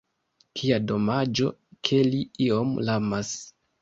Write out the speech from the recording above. Kia domaĝo ke li iom lamas!